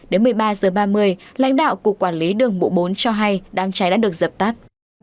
đến một mươi ba h ba mươi lãnh đạo cục quản lý đường bộ bốn cho hay đám cháy đã được dập tắt